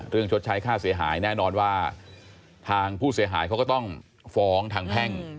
ชดใช้ค่าเสียหายแน่นอนว่าทางผู้เสียหายเขาก็ต้องฟ้องทางแพ่ง